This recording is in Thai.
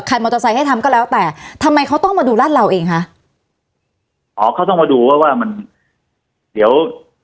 มอเตอร์ไซค์ให้ทำก็แล้วแต่ทำไมเขาต้องมาดูรัดเราเองคะอ๋อเขาต้องมาดูว่าว่ามันเดี๋ยว